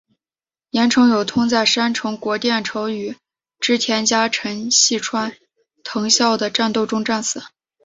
岩成友通在山城国淀城与织田家臣细川藤孝的战斗中战死。